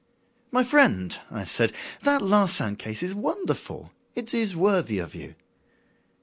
"My friend," I said, "that Larsan case is wonderful. It is worthy of you."